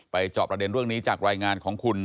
จอบประเด็นเรื่องนี้จากรายงานของคุณ